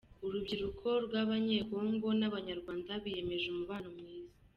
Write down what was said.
Urubyiruko rw’Abanyekongo n’Abanyarwanda biyemeje umubano mwiza